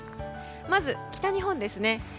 まず、北日本ですね。